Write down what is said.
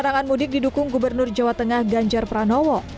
larangan mudik didukung gubernur jawa tengah ganjar pranowo